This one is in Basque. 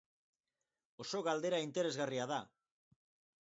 Oso galdera interesgarria da.